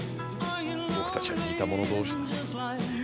僕たちは似た者同士だ。